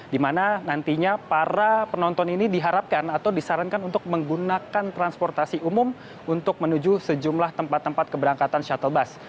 di mana nantinya para penonton ini diharapkan atau disarankan untuk menggunakan transportasi umum untuk menuju sejumlah tempat tempat keberangkatan shuttle bus